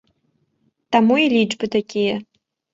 Таму і лічбы такія.